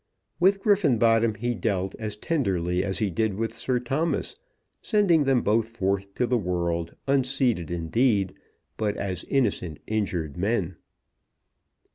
With Griffenbottom he dealt as tenderly as he did with Sir Thomas, sending them both forth to the world, unseated indeed, but as innocent, injured men.